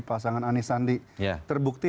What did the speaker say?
pasangan anisandi terbukti